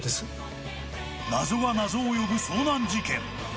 謎が謎を呼ぶ遭難事件。